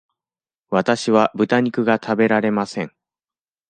わたしはぶた肉が食べられません。